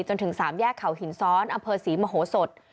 จนถึงสามแยกเขาหินซ้อนอำเภอศรีมโหสด